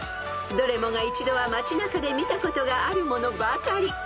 ［どれもが一度は街中で見たことがあるものばかり］